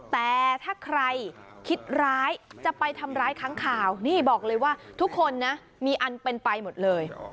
แต่ถ้าใครคิดร้ายจะไปทำร้ายค้างข่าวนี่บอกเลยว่าทุกคนนะมีอันเป็นไปหมดเลย